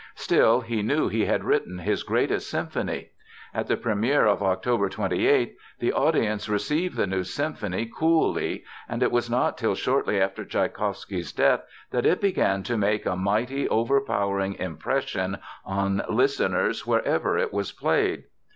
Still, he knew he had written his greatest symphony. At the première of October 28th, the audience received the new symphony coolly, and it was not till shortly after Tschaikowsky's death that it began to make a mighty, overpowering impression on listeners wherever it was played.